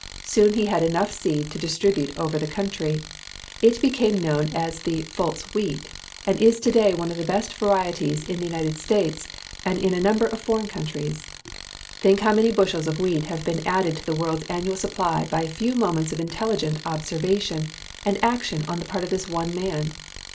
Soon he had enough seed to distribute over the country. It became known as the Fultz wheat and is to day one of the best varieties in the United States and in a number of foreign countries. Think how many bushels of wheat have been added to the world's annual supply by a few moments of intelligent observation and action on the part of this one man!